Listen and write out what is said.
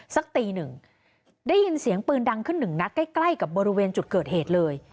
สักตีหนึ่งได้ยินเสียงปืนดังขึ้นหนึ่งนัดใกล้ใกล้กับบริเวณจุดเกิดเหตุเลย